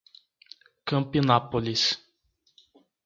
Campinápolis